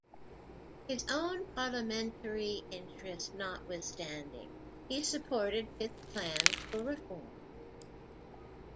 His own Parliamentary interest notwithstanding, he supported Pitt's plans for reform.